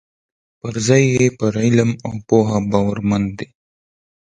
پر ځای یې پر علم او پوه باورمن دي.